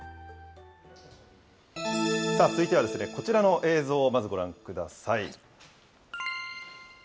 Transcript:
続いては、こちらの映像をまずご覧ください。